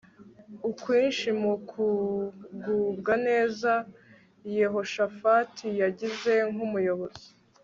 Ukwinshi mu kugubwa neza Yehoshafati yagize nkumuyobozi